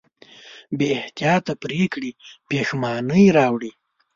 بېاحتیاطه پرېکړې پښېمانۍ راوړي.